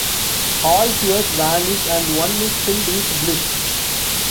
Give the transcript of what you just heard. All fears vanish and one is filled with bliss.